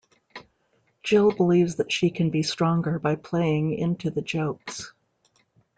Jill believes that she can be stronger by playing into the jokes.